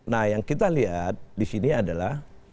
nah yang kita lihat di sini adalah